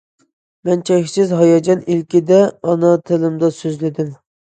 مەن چەكسىز ھاياجان ئىلكىدە ئانا تىلىمدا سۆزلىدىم.